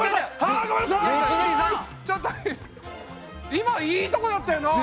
今いいとこだったよなあ。